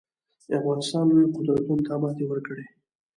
افغانستان لویو قدرتونو ته ماتې ورکړي